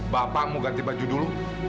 bapak mau ganti baju dulu